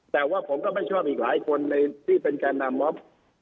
แต่ว่าผมก็ไม่ชอบอีกหลายคนที่เป็นแก่นำมอบ